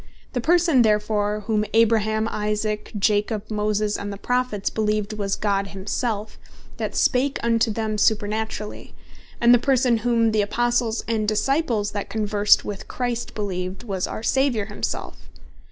The Person therefore, whom Abraham, Isaac, Jacob, Moses and the Prophets beleeved, was God himself, that spake unto them supernaturally: And the Person, whom the Apostles and Disciples that conversed with Christ beleeved, was our Saviour himself.